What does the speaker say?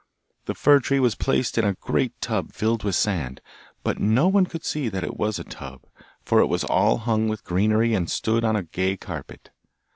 The fir tree was placed in a great tub filled with sand, but no one could see that it was a tub, for it was all hung with greenery and stood on a gay carpet.